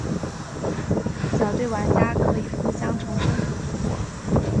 小队玩家可以互相重生和复活。